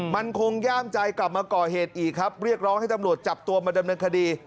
มันคงย่ามใจกลับมาก่อเหตุอีกครับเรียกร้องให้ตำรวจจับตัวมาดำเนินคดี